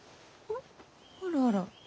あらあら。